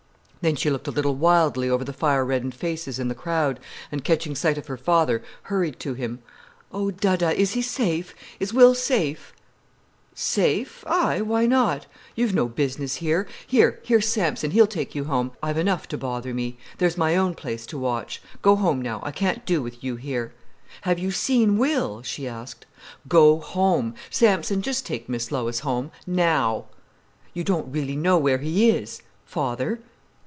Then she looked a little wildly over the fire reddened faces in the crowd, and catching sight of her father, hurried to him. "Oh, Dadda—is he safe? Is Will safe——?" "Safe, aye, why not? You've no business here. Here, here's Sampson, he'll take you home. I've enough to bother me; there's my own place to watch. Go home now, I can't do with you here." "Have you seen Will?" she asked. "Go home—Sampson, just take Miss Lois home—now!" "You don't really know where he is—father?"